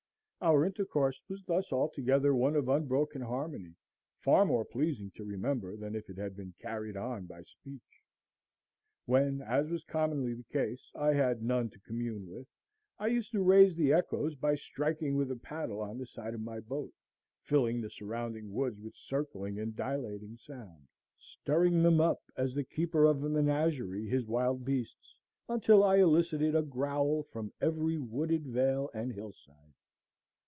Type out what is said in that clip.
Our intercourse was thus altogether one of unbroken harmony, far more pleasing to remember than if it had been carried on by speech. When, as was commonly the case, I had none to commune with, I used to raise the echoes by striking with a paddle on the side of my boat, filling the surrounding woods with circling and dilating sound, stirring them up as the keeper of a menagerie his wild beasts, until I elicited a growl from every wooded vale and hill side.